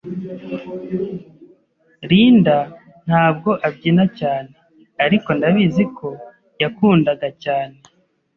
Linda ntabwo abyina cyane, ariko ndabizi ko yakundaga cyane.